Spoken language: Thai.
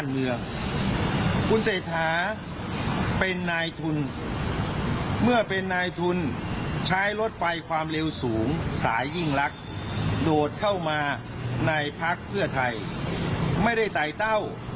ลองฟังเสียงเขาดูหน่อยค่ะ